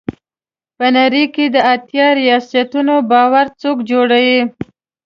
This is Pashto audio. په نړۍ کې د اتیا ریاستونو بارود څوک جوړوي.